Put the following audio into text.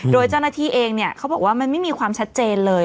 โดยเจ้าหน้าที่เองเนี่ยเขาบอกว่ามันไม่มีความชัดเจนเลย